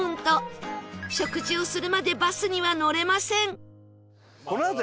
食事をするまでバスには乗れません